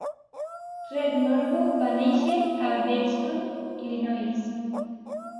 Red Norvo va néixer a Beardstown, Illinois.